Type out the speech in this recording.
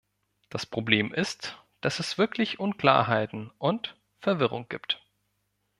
Das Problem ist, dass es wirklich Unklarheiten und Verwirrung gibt.